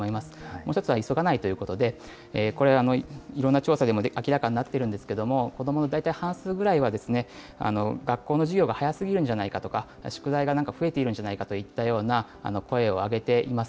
もう一つは急がないということで、これはいろんな調査でも明らかになっているんですけれども、子どもの大体半数ぐらいは、学校の授業が早すぎるんじゃないかとか、宿題が増えているんじゃないかといった声を上げています。